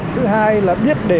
thứ hai là biết